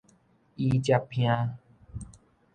椅脊骿